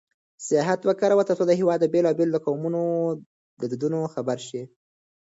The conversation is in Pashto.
سیاحت وکاروئ ترڅو د هېواد د بېلابېلو قومونو له دودونو خبر شئ.